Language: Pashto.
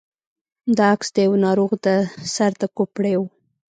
دا عکس د يوه ناروغ د سر د کوپړۍ و.